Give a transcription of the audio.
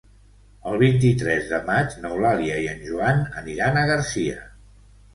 El vint-i-tres de maig n'Eulàlia i en Joan aniran a Garcia.